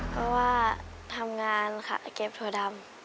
เพราะว่าทำงานค่ะเก็บถั่วดำ